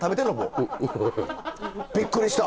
びっくりした。